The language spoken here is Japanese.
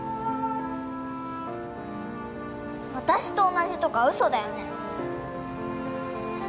私と同じとかウソだよね？